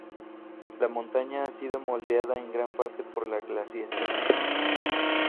La montaña ha sido moldeada en gran parte por la glaciación.